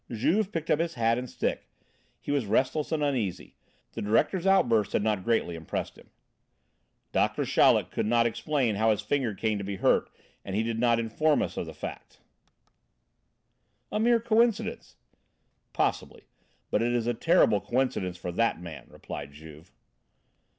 Juve picked up his hat and stick. He was restless and uneasy; the directors' outburst had not greatly impressed him. "Doctor Chaleck could not explain how his finger came to be hurt and he did not inform us of the fact." "A mere coincidence." "Possibly, but it is a terrible coincidence for that man," replied Juve.